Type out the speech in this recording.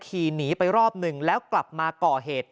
ขี่หนีไปรอบหนึ่งแล้วกลับมาก่อเหตุ